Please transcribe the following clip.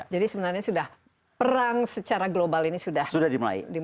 jadi sebenarnya sudah perang secara global ini sudah dimulai